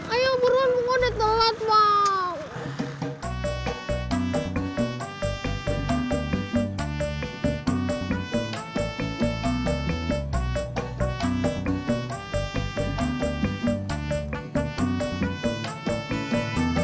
ayo buruan bunga udah telat bang